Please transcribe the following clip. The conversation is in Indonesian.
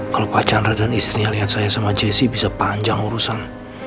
kalau pak chandra dan istrinya lihat saya sama jessie bisa panjang urusan